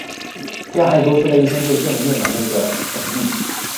这样埃勾斯的一生就正应了那个神谕。